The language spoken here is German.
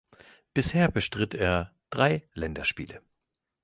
Bisher bestritt er drei Länderspiele.